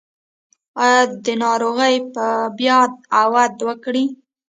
ایا دا ناروغي به بیا عود وکړي؟